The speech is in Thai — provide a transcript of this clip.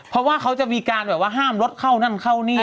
เพราะว่าเขาจะมีการแบบว่าห้ามรถเข้านั่นเข้านี่